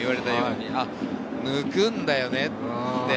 抜くんだよねって。